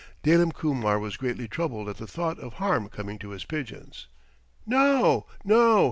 Dalim Kumar was greatly troubled at the thought of harm coming to his pigeons. "No, no!